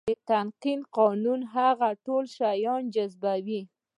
د تلقين قانون هغه ټول شيان جذبوي.